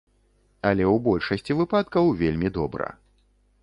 Але ў большасці выпадкаў вельмі добра.